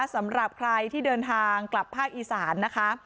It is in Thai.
สำหรับใครที่เดินทางกลับภาคอีสานนะคะ